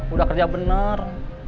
udah kerja bener